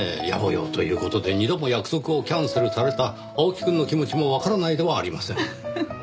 やぼ用という事で二度も約束をキャンセルされた青木くんの気持ちもわからないではありません。